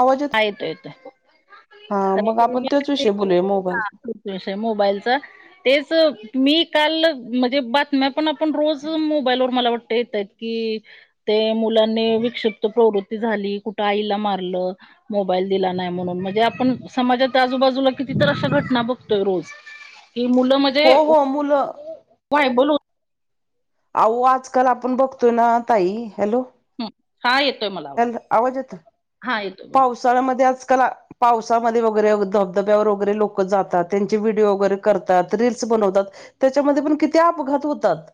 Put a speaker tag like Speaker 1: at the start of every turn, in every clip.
Speaker 1: आवाज येतो.
Speaker 2: हा येतो येतो.
Speaker 1: हा मग आपण तोच विषयी बोलूया मोबाईल.
Speaker 2: हा मोबाईलचा. तेच मी काल मध्येबातम्या पण आपण रोज मोबाईलवर मला वाटत येत्यात. कि ते मुलांनी विक्षिप्त प्रवृत्ती झाली, कुठ आईला मारलं मोबाईल दिला नाही म्हणून, म्हणजे आपण समाजात आजूबाजूला कितीतर अशा घटना बघतोय रोज. ही मुलं म
Speaker 1: हो हो मुलं.
Speaker 2: [unintelligible]
Speaker 1: आओ, आजकाल आपण बघतोय ना ताई, हॅलो!
Speaker 2: हू हा येतोय मला आवाज, हा येतोय बोला.
Speaker 1: [unintelligible] आजकला. पावसामध्ये वगैरे, धबधब्यावर वगैरे लोक जातात, त्यांचे व्हिडिओ वगैरे करतात, रिल्स बनवतात त्याच्यामध्ये पण किती अपघात होतात.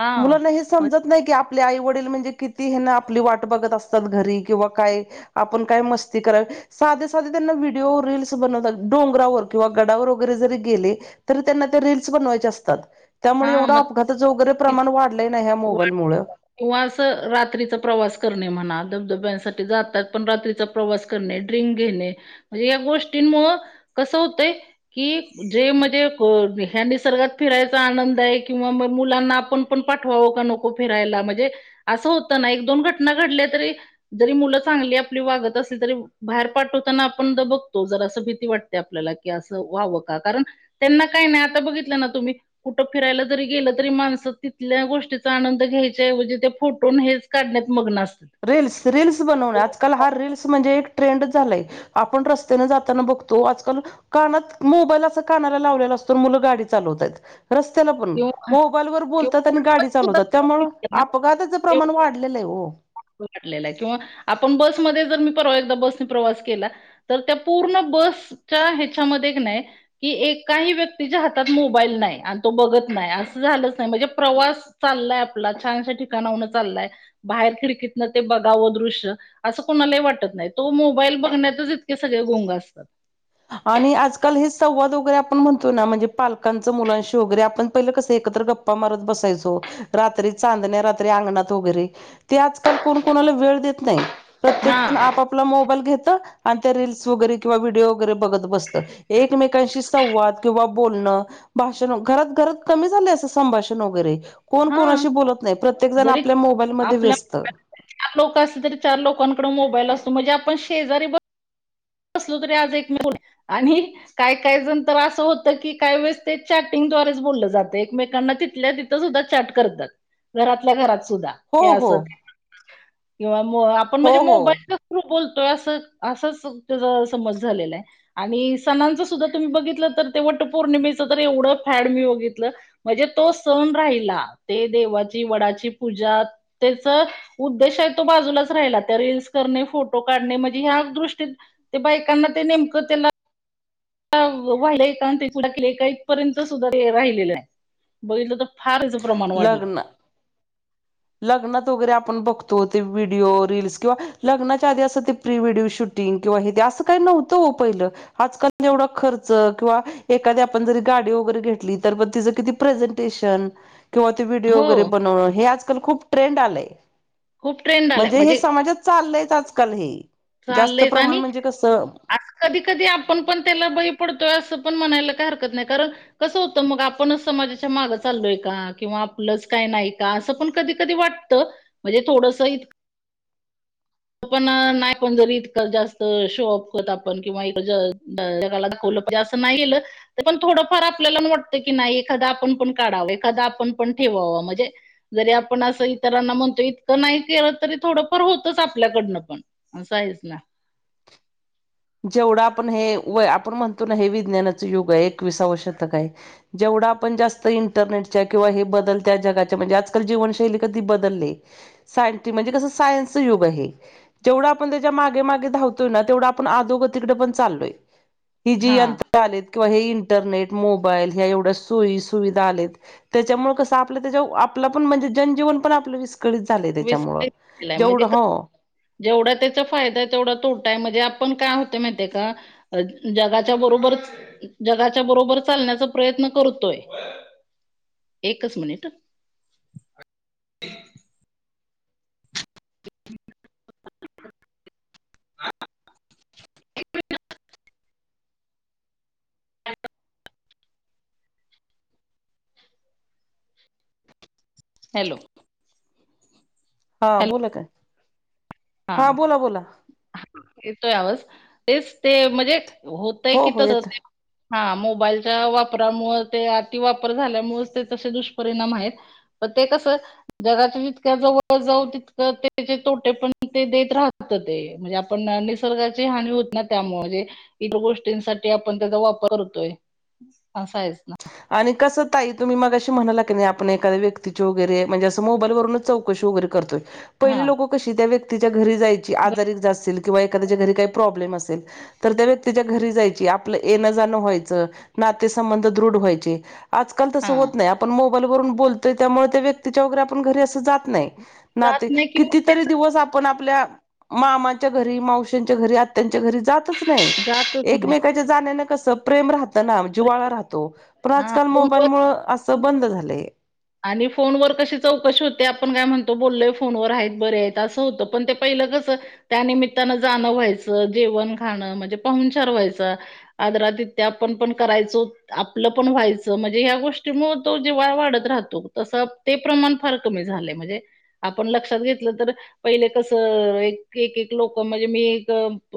Speaker 2: हा
Speaker 1: मुलांना हेच
Speaker 2: मग
Speaker 1: समजत नाही की आपले आई वडील म्हणजे किती हे न आपली वाट ट बघत असतात घरी, किंवा काय आपण काय मस्ती कर साधे साधे त्यांना व्हिडिओ रिल्स बनवतात. डोंगरावर किंवा गडावर वगैरे जरी गेले तरी त्यांना ते रिल्स बनवायचे असतात. त्यामुळे,
Speaker 2: हा
Speaker 1: एवढं
Speaker 2: मग
Speaker 1: अपघाताचं वगैरे प्रमाण वाढलंय ना ह्या मोबाईलमुळ
Speaker 2: वाटतं किंवा असं रात्रीचा प्रवास करणे म्हणा. धबधब्यांसाठी जातात, पण रात्रीचा प्रवास करणे, ड्रिंक घेणे, म्हणजे या गोष्टींमुळ कसं होतंय कि [unintelligible] मध्ये, को ह्या निसर्गात फिराय चा आनंद आहे, किंवा म मुलांना आपण पण पाठवावं का नको फिरायला, म्हणजे असं होतं ना. एक - दोन घटना घडल्या तरी जरी मुलं चांगली आपली वागत असली, तरी बाहेर पाठवताना आपण दबकतो. जरासं भीती वाट ते आपल्याला की असं व्हावं का? कारण, त्यांना काय नाही. आता बघितलं ना तुम्ही कुठं फिरायला जरी गेलं तरी माणसं तिथल्या गोष्टीचा आनंद घ्यायचा ऐवजी, ते फोटो न हेच कारण्यात मग्न असतात.
Speaker 1: रील्स, रील्स बनवणे. आजकाल हा रिल्स म्हणजे एक ट्रेंड झालाय. आपण रस्त्यानं जाताना बघतो आजकाल कानात, मोबाईल असं कानाला लावलेला असतो, आणि मुलं गाडी चालवतायेत. रस्त्याला पण,
Speaker 2: किंवा
Speaker 1: मोबाईलवर बोलतात
Speaker 2: किंवा
Speaker 1: आणि गाडी चालवतात. त्यामुळ अपघाताचं प्रमाण वाढ लेलय ओ.
Speaker 2: वाढलेलाय किंवा आपण बसमध्ये जर, मी परवा एकदा बसनी प्रवास केला तर त्या पूर्ण बसच्या ह्याच्यामध्ये क नाय की एकाही व्यक्तीच्या हातात मोबाईल नाय, आन तो बघत नाय, असं झालंच नाय. म्हणजे प्रवास चाललाय आपला, छानशा ठिकाणाहून चाललाय. बाहेर खिडकीतनं ते बघावं दृश्य असं कोणालाही वाटत नाही. तो मोबाईल बघण्यातच इतके सगळे गुंग असतात.
Speaker 1: आणि आजकाल हे संवाद वगैरे आपण म्हणतो ना, म्हणजे पालकांचं मुलांशी वगैरे, आपण पहिलं कसं एकत्र गप् प्पा मारत बसायचो. रात्री चांदण्या रात्री अंगणात वगैरे ते आजकाल कोण कोणाला वेळ देत नाही. प्रत्येक
Speaker 2: हा
Speaker 1: जण आपापला मोबाईल घेतं, आणि त्या रिल्स वगैरे किंवा व्हिडिओ वगैरे बघत बसतं. एकमेकांशी संवाद किंवा बोलणं भाषण, घरात- घरात कमी झाले असं संभाषण वगैरे. कोण
Speaker 2: हा
Speaker 1: कोणाशी बोलत नाही. प्रत् प्रत्येकजण
Speaker 2: जरी
Speaker 1: आपल्या मोबाईल मध्ये
Speaker 2: आपल्या
Speaker 1: व्यस्त.
Speaker 2: चार लोक असली, तरी चार लोकांकडं मोबाईल असतो. म्हणजे आपण शेजारी बस बसलो तरी, आज एकमे [unintelligible] आणि काय - काय जण तर असं होतं की, काही वेळेस ते चॅटिंगद्वारेच बोललं जातं. एकमेकांना तिथल्या तीथ तिथं सुद्धा चाट करतात. घरातल्या घरात सुद्धा. हे
Speaker 1: हो हो
Speaker 2: असंत, किंवा मो आपण
Speaker 1: हो
Speaker 2: म्हणजे
Speaker 1: हो
Speaker 2: मोबाईल थ्रू बोलतो. असंचं असच तुमच्या जवळ समज झालेलाय. आणि सणांचं सुद्धा तुम्ही बघितलं तर, ते वट पौर्णिमेच तर एवढं फॅड मी बघितलं मजे तो सण राहिला. ते देवाची, वडाची पूजा, त्याच उद्देश हाय तो बाजूलाच राहिला. त्या रीलल्स करणे, फोटो काढणे. म्हणजे ह्या दृष्टीत ते बाईकांना ते नेमकं, त्याला त्या वा वाहिलय का?, न ते पूजा केली का? इथपर्यंत सुद्धा तें राहिलेलं नाय. बघितलं त, फार ह्याचं प्रमाण वाढलंय.
Speaker 1: लग्न लग्नात वगैरे आपण बघतो. ते व्हिडिओ, रील्स किंवा लग्नाच्या आधी असं ते प्री व्हिडिओ शूटिंग किंवा हे ते असं काय नव्हतं ओ पहिलं आजकाल एवढा खर्च. किंवा एखादी आपण जरी गाडी वगैरे घेतली. तर म तिज किती प्रेझंटेशन किंवा ते व्हिडिओ वगैरे
Speaker 2: हो
Speaker 1: बनवणं. हे आजकाल खूप ट्रेंड आलंय.
Speaker 2: खूप ट्रेंड आलाय
Speaker 1: म्हणजे हे समाजात चाललंयच आजकाल हे जास्त
Speaker 2: चाललंयच
Speaker 1: प्रमाण
Speaker 2: आणि
Speaker 1: म्हणजे कसं
Speaker 2: अस कधी कधी आपण पण त्याला बळी पडतोय. असं पण म्हणायला काय हरकत नाय. कारण कसं, होत मग आपणच समाजाच्या मागं चालोय का, किंवा आपलंच काय नाही का असं पण कधी कधी वाटत. म्हणजे थोडंसं इत आपण नाही पण जरी इतकं जास्त शो अप होत आपण किंवा इ [unintelligible] मजे असं नाय केल त पण थोडंफार आपल्याला वाटतं की, नाय एखाद आपण पण काढावं. एखाद आपण पण ठेवावं. म्हजे जरी आपण असं इतरांना म्हणतो. इतकं नाय केलं तरी थोडंफार होतच आप आपल्याकडनं पण, असं आहेच ना
Speaker 1: जेवढं आपण हे, वय आपण म्हणतो ना हे विज्ञानाचं युग आय. एकविसाव शतक आय. जेवढ आपण जास्त इंटरनेटच्या किंवा हे बदल त्या जगाच्या म्हणजे, आजकाल जीवनशैली कधी बदलले सायंटी म्हणजे कसं सायन्सच युग ये हे जेवढ आपण त्याच्या मागे मागे धावतोय ना तेवढ आप आपण अदोगतीकडे पण चालंलोय. ही जी
Speaker 2: हा
Speaker 1: यंत्र आलेत. किंवा हे इंटरनेट, मोबाईल ह्या एवढ्या सोयी सुविधा आलेत. त्याच्यामुळ कसं आपलं त्याच्याव आपलं पण म्हणजे जनजीवन पण आपलं विस्क विस्कळीत झालय त्याच्यामुळ
Speaker 2: विस्कळीत केलाय
Speaker 1: जेवढं
Speaker 2: म्हणजे
Speaker 1: हो
Speaker 2: जेवढा त्याचा फायदा हाय तेवढा तोटा आय म्हणजे आपण काय होतय माहिती का अ जगाच्या बरोबरच जगाच्या बरोबर चालण्याचा प्रयत्न करतोय. एकच मिनिटं ह [inaudible] [inaudible] हॅलो
Speaker 1: हा
Speaker 2: हॅलो
Speaker 1: बोला काय?
Speaker 2: हा,
Speaker 1: बोला बोला
Speaker 2: येतोय आवाज, हेच ते म्हणजे होतय
Speaker 1: हो
Speaker 2: की,
Speaker 1: हो येतोय.
Speaker 2: तसंचं हा, मोबाईलच्या वापरामुळ ते अतिवापर झाल्यामुळेच ते तसे दुष्परिणाम हायेत. म ते कस, जगाच्या जितक्या जवळ जाऊ तितक त्याचे तोटे पण ते देत राहत ते, म्हणजे आपण निसर्गाची हानी होत ना त्यामुळे इतर गोष्टींसाठी आपण त्याचा वापर करतोय असा हायेच ना
Speaker 1: आणि कसं ताई तुम्ही मगाशी म्हणाला की, नाय आपण एखादया व्यक्तीचे वगैरे म्हणजे असं मोबाईलवरूनच चौकशी वगैरे करतोय. पहिली
Speaker 2: हां,
Speaker 1: लोक कशी त्या व्यक्तीच्या घरी जायची.
Speaker 2: ग
Speaker 1: आजारी जे असतील किंवा एखाद्याच्या घरी काय प्रॉब्लेम असेल तर त्या व्यक्तीच्या घरी जायची आपलं येणं जाणं व्हायचं नातेसंबंध दृढ व्हाय चे. आज काल तास
Speaker 2: हां.
Speaker 1: होत नाय आपण मो बाईल वरून बोलतोय त्यामुळ त्या व्यक्तीच्या वैगेरे आपण घरी अस जात नाय.
Speaker 2: जात
Speaker 1: नाते
Speaker 2: नाही की मग
Speaker 1: कितीतरी
Speaker 2: त्याचं
Speaker 1: दिवस आप आपण आपल्या मामाच्या घरी मावशच्या घरी आत्यांच्या घरी जातच नाय
Speaker 2: जातच नाही.
Speaker 1: एकमेकच्या जाण्यान कस प्रेम राहत ना
Speaker 2: प्रेम
Speaker 1: जिवाळा राहतो. पण
Speaker 2: हां,
Speaker 1: आजकाल
Speaker 2: फोनवर
Speaker 1: मोबाईल मुळ असं बंद झालंय.
Speaker 2: आणि फोनवर कशी चौकशी होते आपण काय म्हणतो बोललोय फोनवर आहेत बरे आहेत असं होतं, पण ते पहिलं कसं त्यानिमित्तानं जाणं व्हायचं जेवण खाणं म्हणजे पाहूनचार व्हायचा. आदरादित्य आपण पण करायचो. आपलं पण व्हायचं म्हणजे ह्या गोष्टी मूळ तो जिव्हाळा वाढत राह तो तस ते प्रमाण फार कमी झालंय. म्हणजे आपण लक्षात घेतलं तर पहिले कसं एक एक लोक म्हणजे मी एक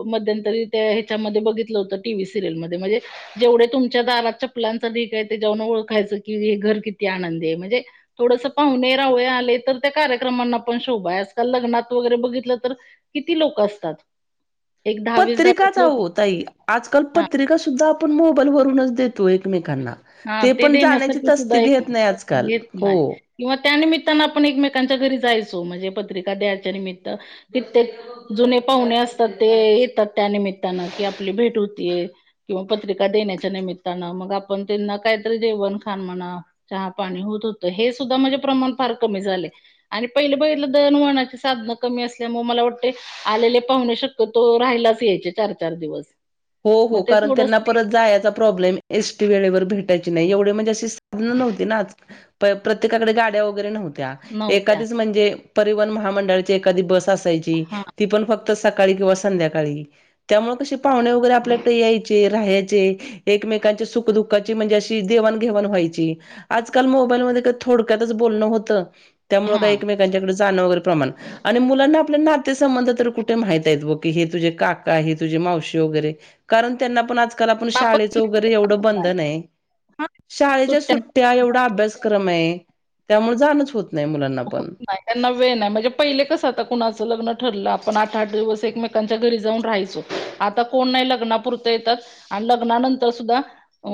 Speaker 2: मध्यंतरी त्या ह्याच्यामध्ये बघितलं होतं. टीव्ही सिरीयल मध्ये म्हणजे जेवढे तुमच्या दारात चपलांचा ढीग आय तेज्यावन ओळखायचं की हे घर किती आनंदी आय. थोडस पाहुणे राहुळे आले तर त्या कार्यक्रमांना पण शोभा आय आजकाल लग्नात वगैरे बघितलं तर किती लोक असतात. एक दहा वीस दहा वीस
Speaker 1: पत्रिकाच
Speaker 2: लोक
Speaker 1: अहो ताई आजकाल पत्रिका सुद्धा आपण मोबाईल वरूनच देतो एकमेकांना.
Speaker 2: हां,
Speaker 1: ते पण जाण्याची
Speaker 2: देण्यासाठी सुद्धा
Speaker 1: तस्ती
Speaker 2: एक
Speaker 1: घेत नाय आजकाल
Speaker 2: येत
Speaker 1: हो.
Speaker 2: नाही किंवा त्यानिमित्तानं आपण एकमेकांच्या घरी जायचो म्हणजे पत्रिका द्यायच्या निमित्त कित्येक जुने पाहुणे असतात ते येतात त्या निमित्तानं कि आपली भेट होतीये. किंवा पत्रिका देण्याच्या निमित्तानं मग आपण त्यांना कायतर जेवण खान म्हणा चहा पाणी होत होतं हे सुद्धा म्हणजे प्रमाण फार कमी झालय. आणि पहिलं पहिल दळण वळनाची साधनं कमी असल्यामुळ मला वाटतय आलेले पाहुणे शक्यतो राहिलाच यायचे चार चार दिवस.
Speaker 1: हो
Speaker 2: मग
Speaker 1: हो
Speaker 2: ते
Speaker 1: कारण त्यांना
Speaker 2: थोडंसं
Speaker 1: परत जायाचा प्रॉब्लेम एस टी वेळेवर भेटायची नाय एवढे म्हणजे अशी साधन नव्हती ना आज प्रत्येकाकडे गाड्या वगैरे नव्हत्या
Speaker 2: नव्हत्या.
Speaker 1: एखादीच म्हणजे परिवहन महामंडळाची एखादी बस असायची.
Speaker 2: हां,
Speaker 1: ती पण फ क्त सकाळी किंवा संध्याकाळी त्यामुळ कशे पाहुणे वगैरे आपल्याकडे यायचे राह्याचे. एकमेकांच्या सुखदुःखाची म्हणजे अशी देवाणघेवाण व्हायची. आजकाल मोबाईलमध्ये का थोडक्यातच बोलणं होतं, त्यामुळ काय
Speaker 2: हां.
Speaker 1: एकमेकांच्याकडे जाणं वगैरे प्रमाण आणि मुलांना आपल्या नातेसंबंध तर कुठे म्हायत हायत वो की हे तुझे काका हे तुझे मावशी वगैरे. कारण त्यांना पण आजकाल आपण शाळेच वगैरे एवढं बंदन आय शाळेच्या
Speaker 2: सुट्ट्या
Speaker 1: सु त्या एवढ अभ्यासक्रम आय त्यामुळ जाणच होत नाय मुलांना
Speaker 2: होत
Speaker 1: पण.
Speaker 2: नाही त्यांना वेळ नाय, म्हणजे पहिले कसं आता कुणाचं लग्न ठरलं आपण आठ आठ दिवस एकमेकांच्या घरी जाऊन राहायचो. आता कोण नाय लग्नापुरत येतात, आणि लग्नानंतर सुद्धा अ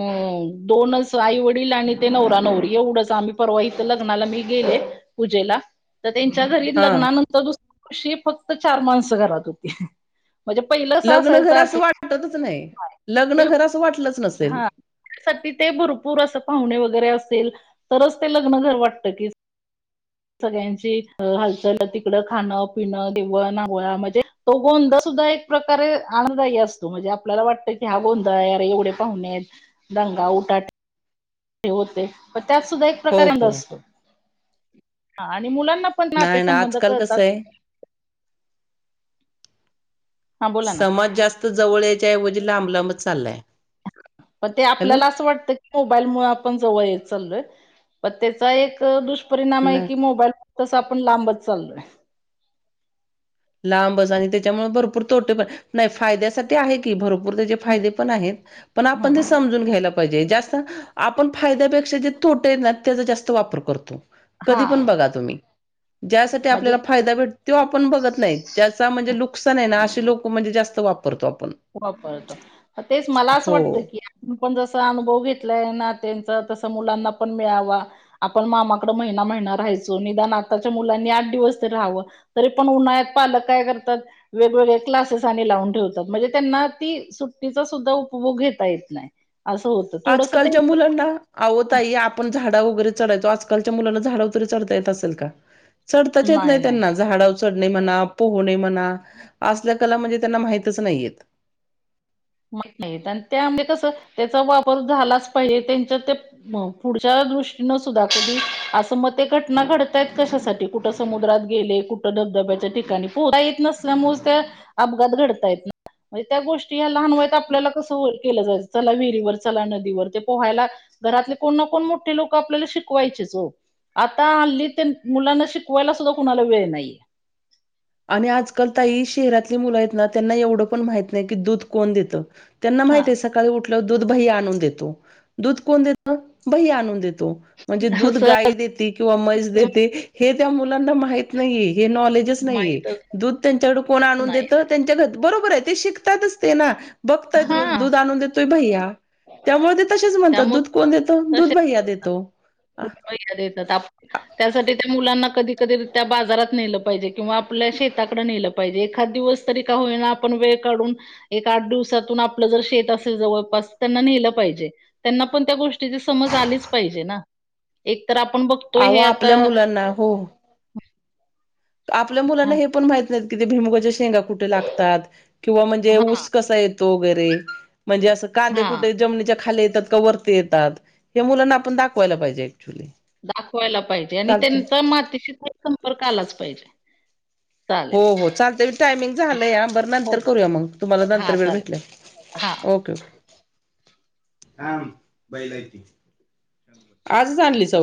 Speaker 2: दोनच आई वडील आणि ते नवरा नवरी एवढंच आम्ही परवा इथ लग्नाला मी गेले. पूजेला तर त्यांच्या घरी
Speaker 1: हा
Speaker 2: लग्नानंतर दुसऱ्या दिवशी फक्त चार माणस घरात होती. म्हणजे पहिलं कस
Speaker 1: लग्न
Speaker 2: असायचं
Speaker 1: घर
Speaker 2: आठ
Speaker 1: असं वाटतच नाही. लग्न घर असं वाटलंच
Speaker 2: [inaudible]
Speaker 1: नसेल
Speaker 2: हा. त्या साठी ते भरपूर पाहुणे वैगेरे असेल तरच ते लग्न घर वाटत की सगळ्यांची हालचाल तिकडं खाणं पिणं जेवण अंघोळ म्हणजे तो गोंध सुद्धा एक प्रकारे आनदायी असतो. म्हणजे आपल्याला वाटतं की हा गोंध आय आरे एवढे पाहुणे हायत दंगा उठा ठेव होते पण त्यात सुद्धा एक
Speaker 1: हो
Speaker 2: प्रकारे आनंद
Speaker 1: हो
Speaker 2: असतो. आणि मुलांना पण नाते
Speaker 1: नाही ना
Speaker 2: संंबंध
Speaker 1: आजकाल
Speaker 2: करतात.
Speaker 1: कसं आहे.
Speaker 2: हा बोला ना
Speaker 1: समाज जास्त जवळ याच्याऐवजी लांबलांब चाललाय.
Speaker 2: पण ते
Speaker 1: हॅलो
Speaker 2: आपल्याला असं वाटत की मोबाईल मु आपण जवळ चालोय पण त्याचा एक दुष. परिणाम आहे
Speaker 1: ना
Speaker 2: की मोबाईल त आपण लांबच चालोय.
Speaker 1: लांबच आणि त्याच्यामुळे भरपूर तोटे पण नाही फायद्यासाठी आहे की भरपूर
Speaker 2: हम्म,
Speaker 1: त्याचे. ाये पण पण आपण
Speaker 2: हम्म.
Speaker 1: समजून घ्यायला पाहिजे जास्त. आपण फायद्यापेक्षा जे तोट आहेत ना त्याचा जास्त वापर करतो.
Speaker 2: हा
Speaker 1: कधी पण बघा तुम्ही ज्यासाठी
Speaker 2: म्हणजे
Speaker 1: आपल्याला फायदा भेट तो आपण बघत. नाही त्या म्हणजे नुकसान आहे ना असे लोक म्हणजे जास्त वापरतो आपण.
Speaker 2: वापरतो तेच मला असं वाटतं
Speaker 1: हो.
Speaker 2: की. पण जस अनुभव घेतलाय ना त्यांचा तस मुलांना पण मिळावा. आपण मामाकड महिना महिना राहायचो निदान आताच्या मुलांनी आठ दिवस तरी राहावं. तरी पण उन्हाळ्यात पालक काय करतात वेगवेगळे क्लासेस आणि लावून ठेवतात म्हणजे. त्यांना ती सुट्टीचा सुद्धा उपभोग घेता येत नाही अस.
Speaker 1: आजकालच्या मुलांना. आहो ताई आपण झाडा वगैरे चढायचो आजकालच्या मुलांना झाडा वगैरे चढता येत असेल का. चढताच येत नाही त्यांना. झाडा उ चढणे म्हणा पोहणे म्हणा असल्या कला म्हणजे त्यांना माहितच नाहीयेत.
Speaker 2: नाही आणि त्या म्ह कस त्याचा वापर झालाच पाहिजे त्यांच्या ते. मग पुढच्या दृष्टीनं सुद्धा कधी असं मत घटना घडतायत कशासाठी. कुठं समुद्रात गेले कुठं धबधब्याच्या ठिकाणी पोहता येत नसल्यामुळे त्या. अपघात घडतायेत म्हणजे त्या गोष्टी या लहान वयत आपल्याला कसं होईल. केलं जायंच. चला विहिरीवर. चला नदीवर. ते पोहायला घरातले कोण ना कोण मोठे लोक आपल्याला शिकवायचेच हो. आता हल्ली तेन मुलांना शिकवायला सुद्धा कुणाला वेळ नाहीये.
Speaker 1: आणि आजकाल ताई, शहरातली मुलं आहेत ना. त्यांना एवढं पण माहित नाही की दूध कोण देत. त्यांना माहित
Speaker 2: हा
Speaker 1: आहेे सकाळी उठल्यावर दूध भैया आणून देतो. दूध कोण देत. भैया आणून देतो. म्हणजे दूध
Speaker 2: असं
Speaker 1: गाय देते किंवा म्हैस देते. हे मुलांना माहीत नाहीये. हे नॉलेजच नाहीये.
Speaker 2: माहितच
Speaker 1: दूध त्यांच्याकड कोण आणून
Speaker 2: नाही
Speaker 1: देत त्यांच्या घ बरोबरे ते शिकतातच ते ना. बगतायेत
Speaker 2: हा
Speaker 1: रोज दूध देतोय भैया. त्यामुळे ते तसेच म्हणतात.
Speaker 2: त्यामुळे
Speaker 1: दूध कोण देतो. दूध भैया देतो.
Speaker 2: भैया देतात. आप त्यासाठी त्या मुलांना कधी कधी त्या बाजारात नेलं पाहिजे. किंवा आपल्या शेताकडे नेलं पाहिजे. एखाद दिवस तरी का होईना आपण वेळ काढून एक आठ दिवसातून आपलं जर शेत असेल जवळपास. त त्यांना नेलं पाहिजे. त्यांना पण त्या गोष्टीची समज आलीच पाहिजे ना. एक तर आपण बघ
Speaker 1: आव आपल्या मुलांना, हो. आपल्या
Speaker 2: हा
Speaker 1: मुलांना हे पण माहित नाहीत की, ते भुईमुगाच्या शेंगा कुठे लागतात. किंवा म्हणजे
Speaker 2: हा
Speaker 1: ऊस कसा येतो वगैरे. म्हणजे असं कांदे
Speaker 2: हा,
Speaker 1: कुठे जमिनीच्या खाली येतात का वर ती येतात. हे मुलांना आपण दाखवायला पाहिजे ऑच्युली.
Speaker 2: दाखवायला पाहिजे. आणि त्यांचा मातीशी संपर्क आलाच पाहिजे.
Speaker 1: हो
Speaker 2: चालेल
Speaker 1: हो चालतय. टायमिंग झालं या. बर
Speaker 2: हो
Speaker 1: नंतर करूया मग. तुम्हाला नंतर
Speaker 2: हा
Speaker 1: वेळ
Speaker 2: चालेल
Speaker 1: भेटलं की.
Speaker 2: हा
Speaker 1: ओके ओके. आजच आणलीसा व्हय?